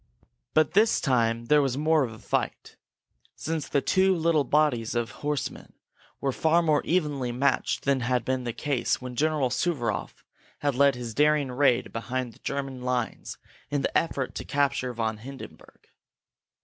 But this time there was more of a fight, since the two little bodies of horsemen were far more evenly matched than had been the case when General Suvaroff had led his daring raid behind the German lines in the effort to capture von Hindenburg.